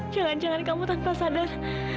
jangan jangan kamu tanpa sadar